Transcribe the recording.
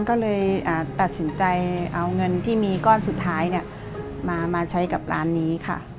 ก็เลยตัดสินใจเอาเงินที่มีก้อนสุดท้ายมาใช้กับร้านนี้ค่ะ